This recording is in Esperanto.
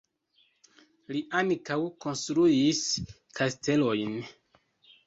Li ankaŭ konstruis kastelojn.